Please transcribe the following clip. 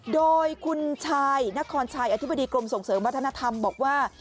โดยคุณชายนครชัยอธิบดีกรมส่งเสริมวัฒนธรรมบอกว่า